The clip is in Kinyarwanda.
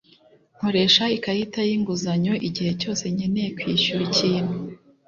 Nkoresha ikarita yinguzanyo igihe cyose nkeneye kwishyura ikintu.